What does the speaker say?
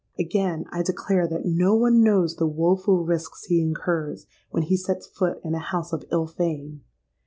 Again I declare that no one knows the woeful risks he incurs when he sets foot in a house of ill fame.